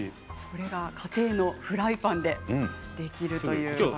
これが家庭のフライパンでできるという。